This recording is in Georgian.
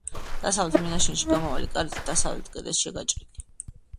დასავლეთ მინაშენში გამავალი კარი დასავლეთ კედელშია გაჭრილი.